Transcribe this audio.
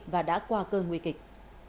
và đã qua cơn nguy kịch